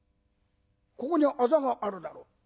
ここにあざがあるだろ。